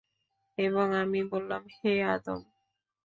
এবং আমি বললাম, হে আদম!